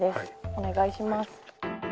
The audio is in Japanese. お願いします。